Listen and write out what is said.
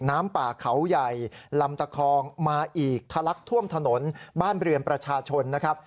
น้ำป่าเขาใหญ่ลำตะคองมาอีกทะลักท่วมถนนบ้านเรือนประชาชนนะครับ